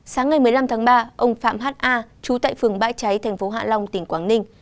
sáng ngày một mươi năm tháng ba ông phạm hát a chú tại phường bãi cháy thành phố hạ long tỉnh quảng ninh